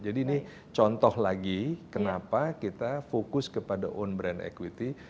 jadi ini contoh lagi kenapa kita fokus kepada own brand equity